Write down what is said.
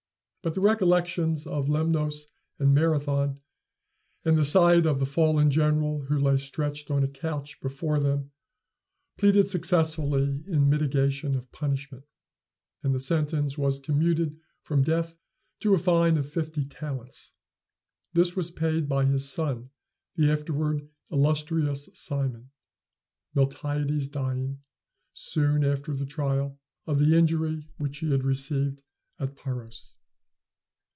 But the recollections of Lemnos and Marathon, and the sight of the fallen general, who lay stretched on a couch before them, pleaded successfully in mitigation of punishment, and the sentence was commuted from death to a fine of fifty talents. This was paid by his son, the afterward illustrious Cimon, Miltiades dying, soon after the trial, of the injury which he had received at Paros.